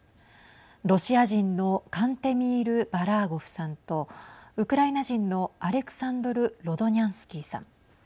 ロシア人のカンテミール・バラーゴフさんとウクライナ人のアレクサンドル・ロドニャンスキーさん。